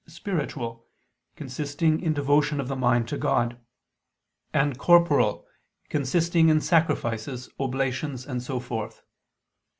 spiritual, consisting in devotion of the mind to God; and corporal, consisting in sacrifices, oblations, and so forth.